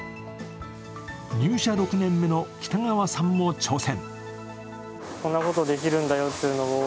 入社６年目の北川さんも挑戦。